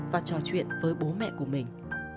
và trò chuyện với bố mẹ của mình